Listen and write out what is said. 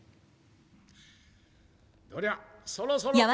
どりゃそろそろ。